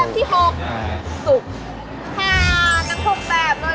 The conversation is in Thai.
แบบที่๖ตอนกับผู้ชม